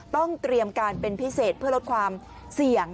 ต้องเตรียมการเป็นพิเศษเพื่อลดความเสี่ยง